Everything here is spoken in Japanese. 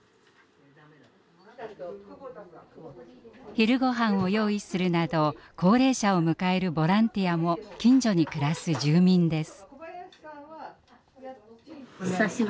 昼ごはんを用意するなど高齢者を迎えるボランティアも近所に暮らす住民です。